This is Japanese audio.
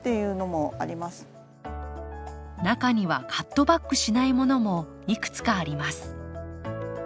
中にはカットバックしないものもいくつかあります。